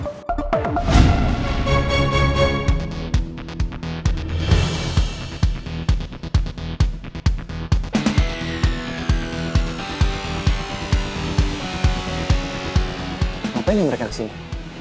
kenapa mereka kesini